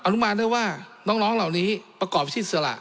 อนุมานด้วยว่าน้องเหล่านี้ประกอบพิษศาละ